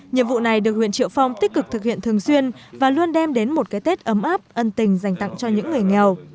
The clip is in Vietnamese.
nhiệm vụ này được huyện triệu phong tích cực thực hiện thường xuyên và luôn đem đến một cái tết ấm áp ân tình dành tặng cho những người nghèo